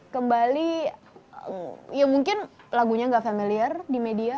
kembali ya mungkin lagunya gak familiar di media